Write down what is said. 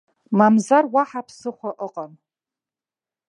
Мамзар уаҳа ԥсыхәа ыҟам.